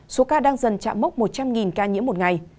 số ca đang dần chạm mốc một trăm linh ca nhiễm một ngày